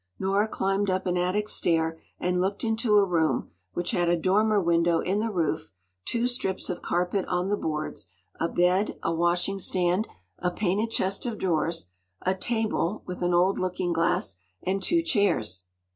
Nora climbed up an attic stair and looked into a room which had a dormer window in the roof, two strips of carpet on the boards, a bed, a washing stand, a painted chest of drawers, a table, with an old looking glass, and two chairs.